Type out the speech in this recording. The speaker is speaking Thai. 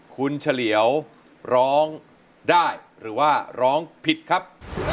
คุณเฉลียวร้องได้หรือว่าร้องผิดครับ